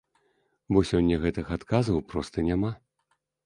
Бо сёння гэтых адказаў проста няма.